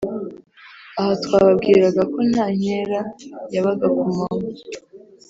Aha twababwiraga ko nta nkera yabaga ku manywa